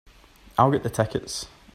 I'll get the tickets.